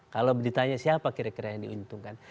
kalau ditanya siapa kira kira yang diuntungkan